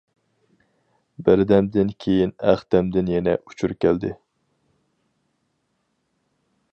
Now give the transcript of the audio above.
بىردەمدىن كىيىن ئەختەمدىن يەنە ئۇچۇر كەلدى.